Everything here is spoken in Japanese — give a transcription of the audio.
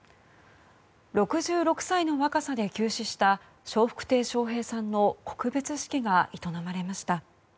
６６歳の若さで急死した笑福亭笑瓶さんの告別式が営まれました。